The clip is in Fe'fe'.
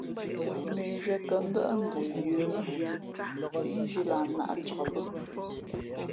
Mʉnzhwīē kα̌ ndάʼ ndə yə̌ lά síʼnzhī lah nāʼ cak bᾱ.